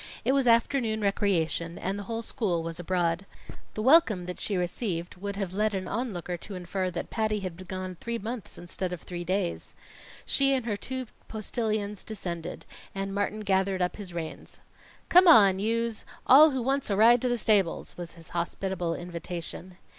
It was afternoon recreation, and the whole school was abroad. The welcome that she received, would have led an onlooker to infer that Patty had been gone three months instead of three days. She and her two postilions descended, and Martin gathered up his reins. "Come on, youse! All who wants a ride to the stables," was his hospitable invitation.